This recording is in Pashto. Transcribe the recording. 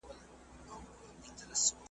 خو اسیر سي په پنجو کي د بازانو .